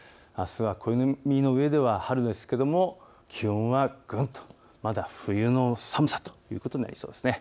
あすは暦の上では春ですけども気温はぐんとまだ冬の寒さということになりそうです。